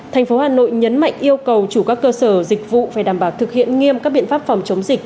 thành phố hà nội nhấn mạnh yêu cầu chủ các cơ sở dịch vụ phải đảm bảo thực hiện nghiêm các biện pháp phòng chống dịch